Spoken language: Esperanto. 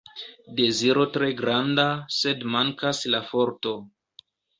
Deziro tre granda, sed mankas la forto.